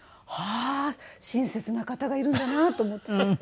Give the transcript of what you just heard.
はあー親切な方がいるんだなと思って。